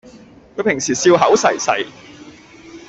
佢平時笑口噬噬